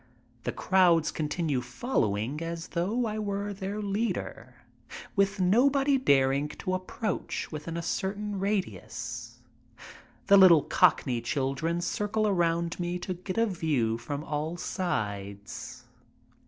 The crowds continue following as though I were their leader, with nobody daring to approach within a certain radius. The little cockney children circle around me to get a view from all sides.